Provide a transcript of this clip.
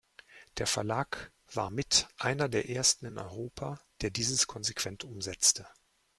Der Verlag war mit einer der ersten in Europa, der dieses konsequent umsetzte.